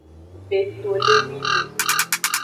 Vetolewime.